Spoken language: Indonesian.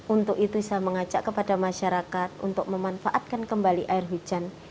untuk itu saya mengajak kepada masyarakat untuk memanfaatkan kembali air hujan